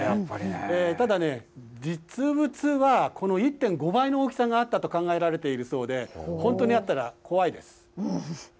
ただね、実物は、この１．５倍の大きさがあったと考えられているそうで、本当にあったら怖いです。